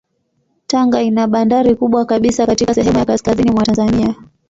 Tanga ina bandari kubwa kabisa katika sehemu ya kaskazini mwa Tanzania.